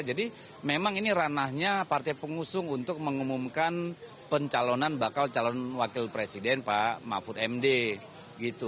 jadi memang ini ranahnya partai pengusung untuk mengumumkan pencalonan bakal calon wakil presiden pak mafud md gitu